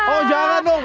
oh jangan dong